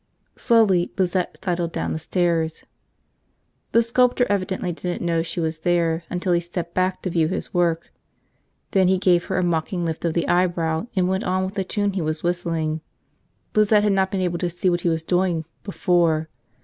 Slowly Lizette sidled down the stairs. The sculptor evidently didn't know she was there until he stepped back to view his work. Then he gave her a mocking lift of the eyebrow and went on with the tune he was whistling. Lizette had not been able to see what he was doing, before.